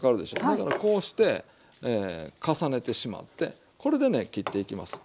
それならこうして重ねてしまってこれでね切っていきます。